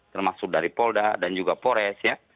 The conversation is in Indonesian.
termasuk dari polda dan juga pores ya